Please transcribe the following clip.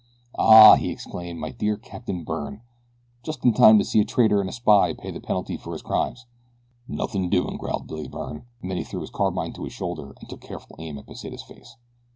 "Ah!" he exclaimed, "my dear Captain Byrne. Just in time to see a traitor and a spy pay the penalty for his crimes." "Nothin' doin'," growled Billy Byrne, and then he threw his carbine to his shoulder and took careful aim at Pesita's face.